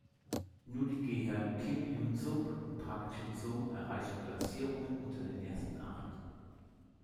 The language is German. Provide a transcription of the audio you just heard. Nur die Geher Kim Hyun-sub und Park Chil-sung erreichten Platzierungen unter den ersten acht.